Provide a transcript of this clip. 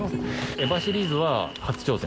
『エヴァ』シリーズは初挑戦？